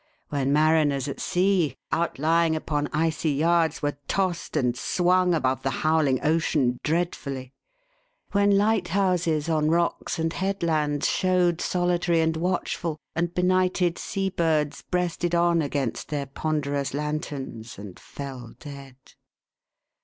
When mariners at sea, outlying upon icy yards, were tossed and swung above the howling ocean dreadfully. When lighthouses, on rocks and headlands, showed solitary and watchful ; and benighted sea birds breasted on against their ponderous lanterns, and fell dead.